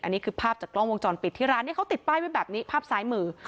อันนี้คือภาพจากกล้องวงจรปิดที่ร้านนี้เขาติดป้ายไว้แบบนี้ภาพซ้ายมือ